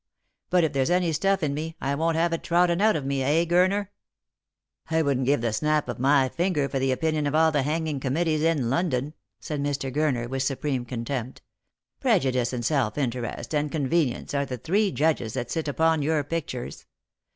But if there's any stuff in me, I won't have it trodden out of me, eh, Gurner ?"" I wouldn't give the snap of my finger for the opinion of all the hanging committees in London," said Mr. Gurner, with supreme contempt. " Prejudice and self interest and conveni ence are the three judges that sit upon your pictures.